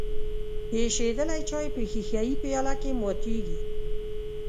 ایشیدلی چای په ښیښه یي پیاله کې ماتیږي.